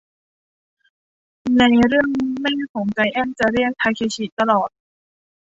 ในเรื่องแม่ของไจแอนท์จะเรียกทาเคชิตลอด